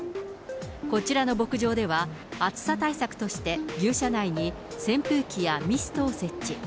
こちらの牧場では、暑さ対策として、牛舎内に扇風機やミストを設置。